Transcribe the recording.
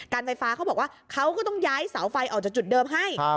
ไฟฟ้าเขาบอกว่าเขาก็ต้องย้ายเสาไฟออกจากจุดเดิมให้